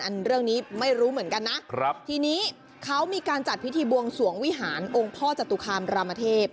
อันนี้เรื่องนี้ไม่รู้เหมือนกันนะครับทีนี้เขามีการจัดพิธีบวงสวงวิหารองค์พ่อจตุคามรามเทพ